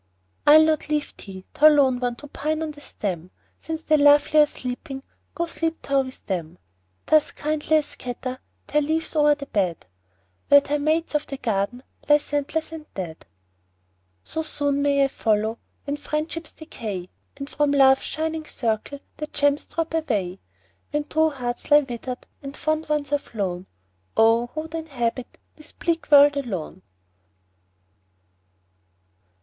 I'll not leave thee, thou lone one ! To pine on the stem ; Since the lovely are sleeping, Go sleep thou with them. Thus kindly I scatter Thy leaves o'er the bed, Where thy mates of the garden Lie scentless and dead. So soon may I follow, When friendships decay, And from Love's shining circle The gems drop away. When true hearts lie wither'd, And fond ones are flown, Oh ! who would inhabit This bleak world alone